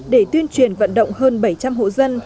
để tuyên truyền vận động hơn bảy trăm linh hộ dân